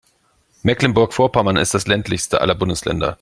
Mecklenburg-Vorpommern ist das ländlichste aller Bundesländer.